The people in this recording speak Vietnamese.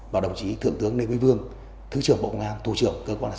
và đồng chí thượng tướng lê quý vương thư trưởng bộ công an thủ trưởng cơ quan điều tra